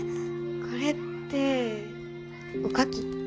これっておかき？